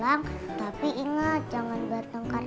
bagaimana abang sih kalau perolehan mau towardsu